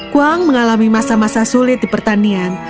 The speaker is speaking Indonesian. kuang mengalami masa masa sulit di pertanian